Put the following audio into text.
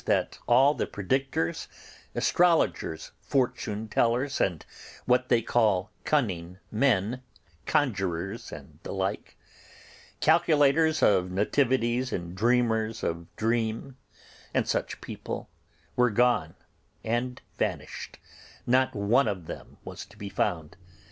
that all the predictors, astrologers, fortune tellers, and what they called cunning men, conjurers, and the like: calculators of nativities and dreamers of dream, and such people, were gone and vanished; not one of them was to be found.